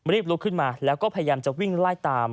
ลุกขึ้นมาแล้วก็พยายามจะวิ่งไล่ตาม